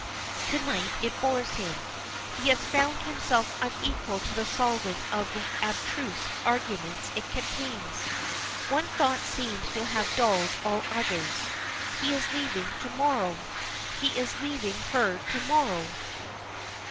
To night it bores him. He has found himself unequal to the solving of the abstruse arguments it contains. One thought seems to have dulled all others. He is leaving to morrow! He is leaving her to morrow!